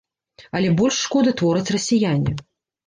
Але больш шкоды твораць расіяне.